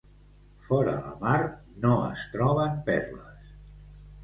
Fora la mar no es troben perles.